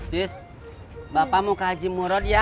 sis bapak mau ke haji murut ya